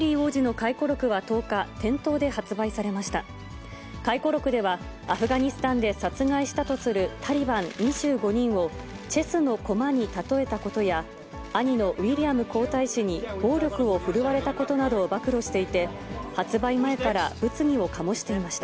回顧録では、アフガニスタンで殺害したとするタリバン２５人をチェスの駒にたとえたことや、兄のウィリアム皇太子に暴力を振るわれたことなどを暴露していて、発売前から物議を醸していました。